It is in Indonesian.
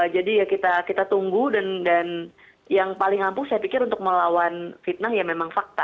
ya kita tunggu dan yang paling ampuh saya pikir untuk melawan fitnah ya memang fakta